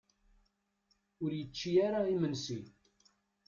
Ur yečči ara imensi?